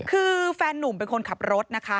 คือแฟนนุ่มเป็นคนขับรถนะคะ